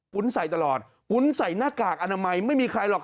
ใส่ตลอดวุ้นใส่หน้ากากอนามัยไม่มีใครหรอก